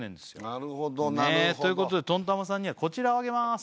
なるほどなるほどということでとんたまさんにはこちらをあげまーす